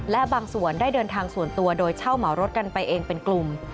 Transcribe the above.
และบางส่วนได้เดินทางส่วนตัวโดยเช่าเหมารถกันไปเองเป็นกลุ่ม